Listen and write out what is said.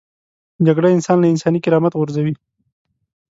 جګړه انسان له انساني کرامت غورځوي